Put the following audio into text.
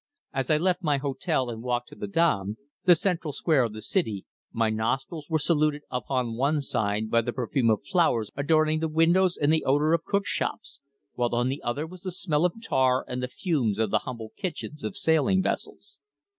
As I left my hotel and walked to the Dam, the central square of the city, my nostrils were saluted upon one side by the perfume of the flowers adorning the windows and the odour of cook shops, while on the other was the smell of tar and the fumes of the humble kitchens of sailing vessels.